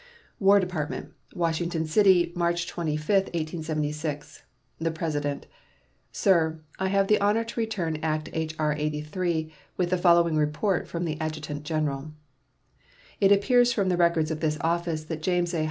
WAR DEPARTMENT, Washington City, March 25, 1876. The PRESIDENT. SIR: I have the honor to return act H.R. 83, with the following report from the Adjutant General: "It appears from the records of this office that James A.